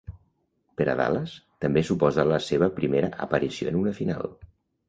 Per a Dallas també suposava la seva primera aparició en una final.